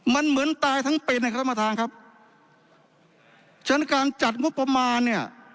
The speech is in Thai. มันเหมือนตายทั้งเป็นนะครับท่านประธานครับฉะนั้นการจัดงบประมาณเนี่ย